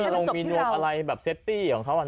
ก็จะมีนวงสามารถไว้เซฟตี้ของเขา